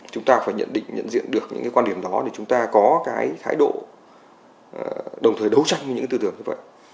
chúng ta phải nhận định nhận diện được những cái quan điểm đó để chúng ta có cái thái độ đồng thời đấu tranh với những tư tưởng như vậy